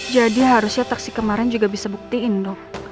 jadi harusnya taksi kemarin juga bisa buktiin dong